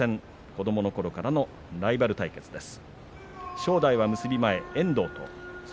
子どものころからのライバル対決です。